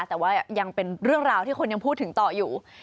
แต่ว่ายังเป็นเรื่องราวที่คนยังพูดถึงต่ออยู่